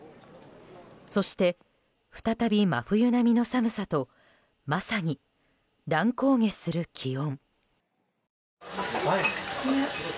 そして、再び真冬並みの寒さとまさに乱高下する気温。